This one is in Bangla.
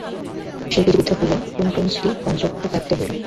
সেই তীরে বিদ্ধ হইয়া পুংক্রৌঞ্চটি পঞ্চত্বপ্রাপ্ত হইল।